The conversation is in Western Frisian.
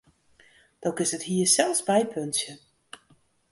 Do kinst it hier sels bypuntsje.